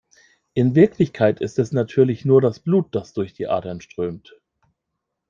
In Wirklichkeit ist es natürlich nur das Blut, das durch die Adern strömt.